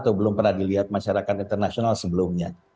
atau belum pernah dilihat masyarakat internasional sebelumnya